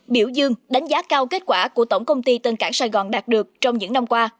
biểu dương đánh giá cao kết quả của tổng công ty tân cảng sài gòn đạt được trong những năm qua